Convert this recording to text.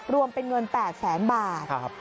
รวมเป็นเงิน๘๐๐๐๐๐บาท